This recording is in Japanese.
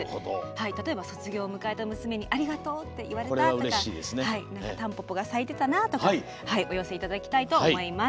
例えば、卒業した娘に「ありがとう」って言われたとかたんぽぽが咲いてたなとかお寄せいただきたいと思います。